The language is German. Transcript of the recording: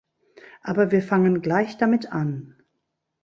Aber wir fangen gleich damit an.